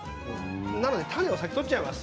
だから種を先に取っちゃいます。